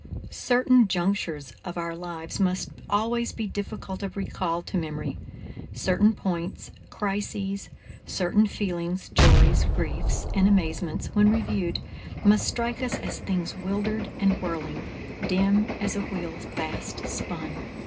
Certain junctures of our lives must always be difficult of recall to memory. Certain points, crises, certain feelings, joys, griefs, and amazements, when reviewed, must strike us as things wildered and whirling, dim as a wheel fast spun.